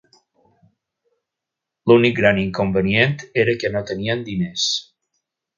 L'únic gran inconvenient era que no tenien diners.